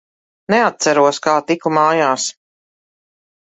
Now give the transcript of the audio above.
Neatceros, kā tiku mājās.